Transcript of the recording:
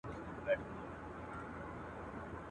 پلار نیکه مي دا تخمونه دي کرلي.